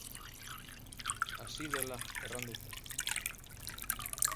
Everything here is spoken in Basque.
Hasi dela erran dute.